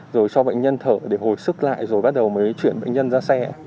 rồi cho bệnh nhân thở để hồi sức lại rồi bắt đầu mới chuyển bệnh nhân ra xe ạ